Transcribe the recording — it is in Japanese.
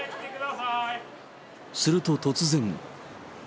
すると突然。